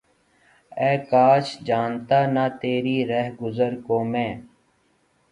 اے کاش! جانتا نہ تیری رہگزر کو میں!